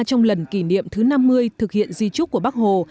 trong lần kỷ niệm thứ năm mươi thực hiện di trúc của bắc hồ